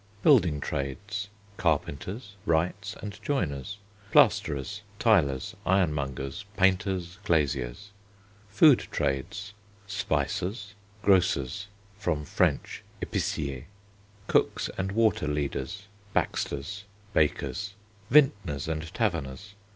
Building Trades: Carpenters, wrights and joiners. Plasterers. Tilers. Ironmongers. Painters. Glaziers. Food Trades: Spicers (grocers Cf. French épicier). Cooks and waterleaders. Baxters (bakers). Vintners and taverners.